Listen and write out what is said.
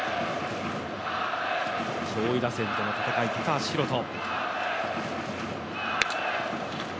上位打線との戦い、高橋宏斗。